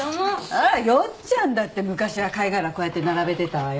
あらよっちゃんだって昔は貝殻こうやって並べてたわよ。